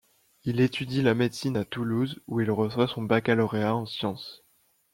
Il étudie la médecine à Toulouse, où il reçoit son baccalauréat en sciences.